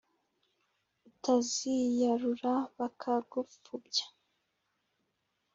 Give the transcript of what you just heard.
utaziyarura bakagupfubya,